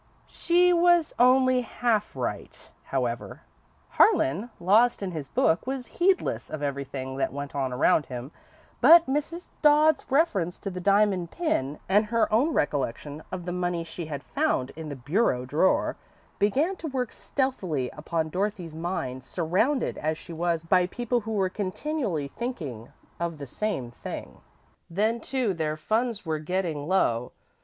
She was only half right, however. Harlan, lost in his book, was heedless of everything that went on around him, but Mrs. Dodd's reference to the diamond pin, and her own recollection of the money she had found in the bureau drawer, began to work stealthily upon Dorothy's mind, surrounded, as she was, by people who were continually thinking of the same thing. Then, too, their funds were getting low.